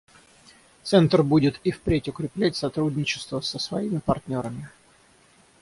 Центр будет и впредь укреплять сотрудничество со своими партнерами.